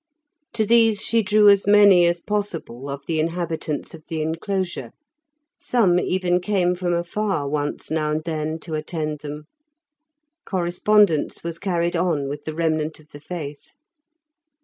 To these she drew as many as possible of the inhabitants of the enclosure; some even came from afar once now and then to attend them. Correspondence was carried on with the remnant of the faith.